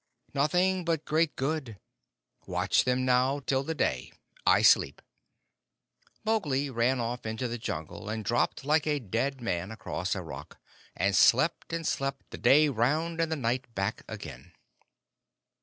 "Nothing but great good. Watch them now till the day. I sleep." Mowgli ran off into the Jungle, and dropped like a dead man across a rock, and slept and slept the day round, and the night back again.